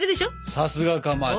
さすがかまど。